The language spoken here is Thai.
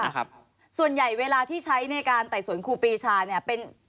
ครับส่วนใหญ่เวลาที่ใช้ในการไต่สวนครูปีชาเนี่ยเป็น